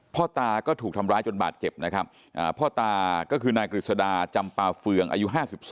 พ่อตาก็ถูกทำร้ายจนบาดเจ็บนะครับพ่อตาก็คือนายกฤษดาจำปาเฟืองอายุ๕๒